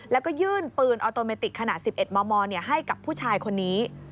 แล้วก็ยื่นปืนออโตเมติกขนาด๑๑มมให้กับผู้ชายคนนี้